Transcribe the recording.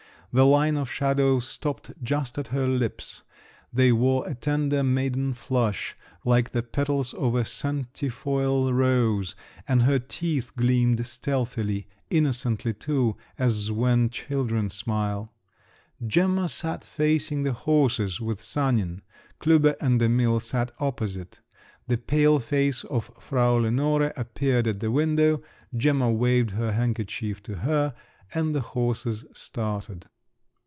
The line of shadow stopped just at her lips; they wore a tender maiden flush, like the petals of a centifoil rose, and her teeth gleamed stealthily—innocently too, as when children smile. Gemma sat facing the horses, with Sanin; Klüber and Emil sat opposite. The pale face of Frau Lenore appeared at the window; Gemma waved her handkerchief to her, and the horses started.